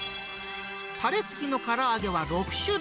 たれつきのから揚げは６種類。